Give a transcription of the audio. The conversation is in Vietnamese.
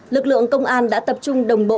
lực lượng công an đã tập trung đồng bộ